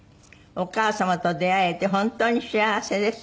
「お母様と出会えて本当に幸せです」